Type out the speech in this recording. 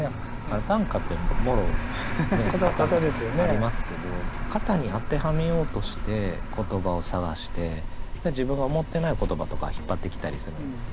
ありますけど型に当てはめようとして言葉を探して自分が思ってない言葉とか引っ張ってきたりするんですよ。